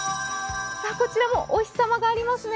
こちらもお日様がありますね。